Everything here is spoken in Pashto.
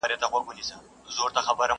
په خلوت کي وو ملګری د شیخانو!!